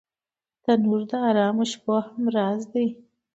تنور د ارامو شپو همراز دی